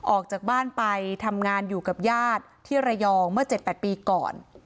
ออกจากบ้านไปทำงานอยู่กับญาติที่ระยองเมื่อ๗๘ปีก่อน